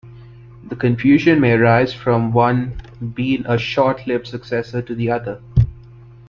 The confusion may arise from one been a short-lived successor to the other.